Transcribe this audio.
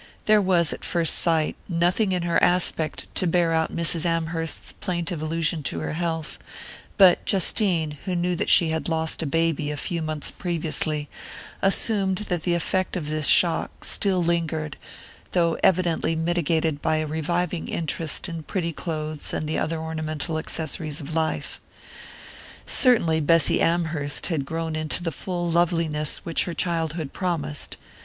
There was, at first sight, nothing in her aspect to bear out Mrs. Amherst's plaintive allusion to her health, but Justine, who knew that she had lost a baby a few months previously, assumed that the effect of this shock still lingered, though evidently mitigated by a reviving interest in pretty clothes and the other ornamental accessories of life. Certainly Bessy Amherst had grown into the full loveliness which her childhood promised.